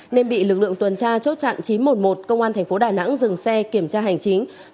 nên bị lực lượng tuần tra chốt chặn chín trăm một mươi một công an thành phố đà nẵng dừng xe kiểm tra hành chính